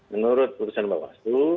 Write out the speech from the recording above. menurut keputusan bapak